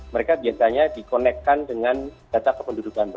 mereka biasanya dikonekkan dengan data kependudukan